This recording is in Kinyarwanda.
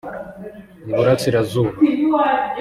Iburasirazuba